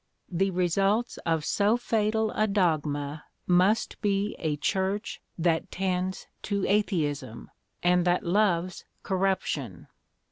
The results of so fatal a dogma must be a Church that tends to atheism, and that loves corruption.